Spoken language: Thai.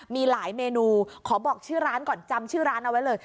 มีหลายเมนูขอบอกชื่อร้านก่อนจำชื่อร้านเอาไว้เลย